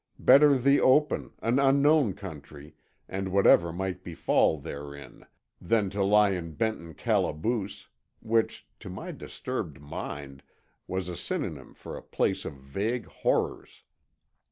Better the open, an unknown country, and whatever might befall therein, than to lie in Benton "calaboose"—which, to my disturbed mind, was a synonym for a place of vague horrors.